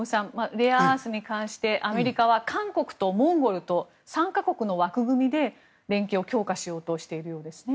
レアアースに関してアメリカは韓国とモンゴルと３か国の枠組みで連携を強化しようとしているようですね。